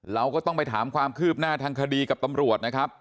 เราก็ต้องไปถามความคืบหน้าทางคดีกับตำรวจนะครับ